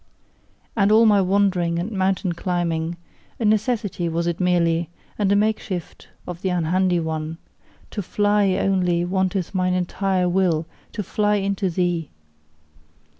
And all my wandering and mountain climbing: a necessity was it merely, and a makeshift of the unhandy one: to FLY only, wanteth mine entire will, to fly into THEE!